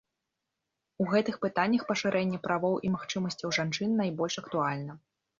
У гэтых пытаннях пашырэнне правоў і магчымасцяў жанчын найбольш актуальна.